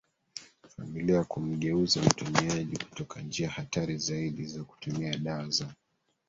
familia kumgeuza mtumiaji kutoka njia hatari zaidi za kutumia dawa za